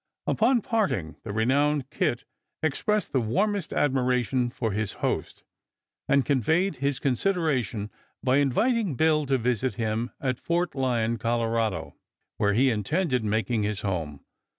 Upon parting, the renowned Kit expressed the warmest admiration for his host, and conveyed his consideration by inviting Bill to visit him at Fort Lyon, Colo., where he intended making his home.